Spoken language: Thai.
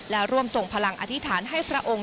และร่วมส่งพลังอธิษฐานให้พระองค์